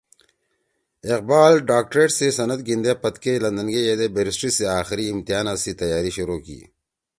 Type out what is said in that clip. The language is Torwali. اقبال ڈاکٹریٹ سی سند گھیِندے پدکے لندن گے یِدے بیرسٹری سی آخری امتحانا سی تیاری شروع کی